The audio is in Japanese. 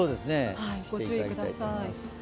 ご注意ください。